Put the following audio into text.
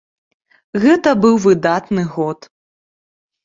Гэта быў выдатны год!